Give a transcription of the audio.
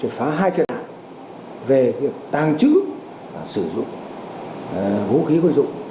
rồi thì tàn trữ vụ kế bộ